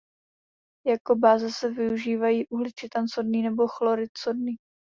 Jako báze se využívají uhličitan sodný nebo hydroxid sodný.